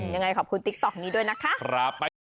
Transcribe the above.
ยังไงขอบคุณติ๊กต๊อกนี้ด้วยนะคะ